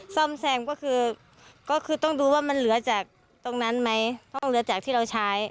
ซ่อมแซมก็คือก็คือต้องดูว่ามันเหลือจากตรงนั้นไหมห้องเหลือจากที่เราใช้